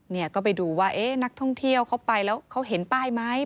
เนี่ยก็ไปดูว่าเอ๊ะนักท่องเที่ยวเขาไปแล้วเขาเห็นป้ายไหม